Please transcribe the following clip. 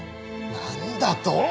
なんだと？